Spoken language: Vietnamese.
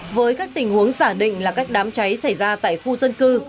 với các tình huống giả định là các đám cháy xảy ra tại khu dân cư